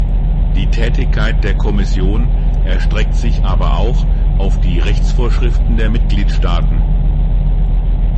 Die Tätigkeit der Kommission erstreckt sich aber auch auf die Rechtsvorschriften der Mitgliedstaaten.